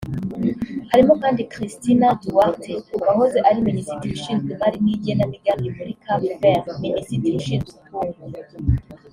Harimo kandi Cristina Duarte wahoze ari Minisitiri ushinzwe Imari n’Igenamigambi muri Cap Vert; Minisitiri ushinzwe Ubukungu